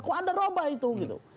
kok anda roba itu